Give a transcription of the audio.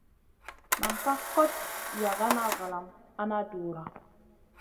Nam ka kot yagana valam a na dura.